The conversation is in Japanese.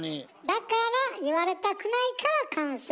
だから言われたくないから関西弁を。